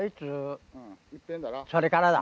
それからだ。